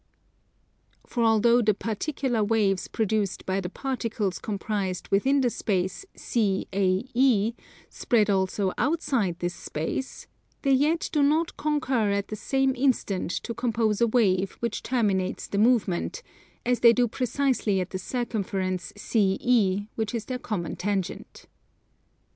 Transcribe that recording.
For although the particular waves produced by the particles comprised within the space CAE spread also outside this space, they yet do not concur at the same instant to compose a wave which terminates the movement, as they do precisely at the circumference CE, which is their common tangent.